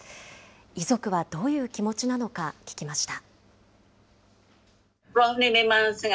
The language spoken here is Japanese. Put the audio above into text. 遺族はどういう気持ちなのか、聞きました。